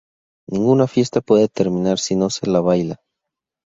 Ninguna fiesta puede terminar si no se la baila.